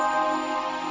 aku sudah lebih